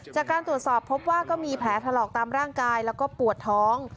จากการตรวจสอบพบว่าก็มีแผลถลอกตามร่างกายแล้วก็ปวดท้อง